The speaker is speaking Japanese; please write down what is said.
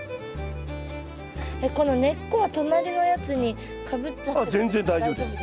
えっこの根っこは隣のやつにかぶっちゃっても大丈夫ですか？